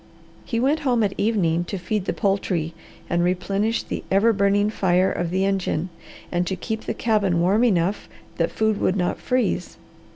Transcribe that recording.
He went home at evening to feed the poultry and replenish the ever burning fire of the engine and to keep the cabin warm enough that food would not freeze.